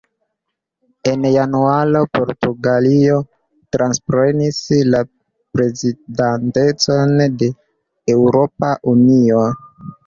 En januaro Portugalio transprenis la prezidantecon de Eŭropa Unio.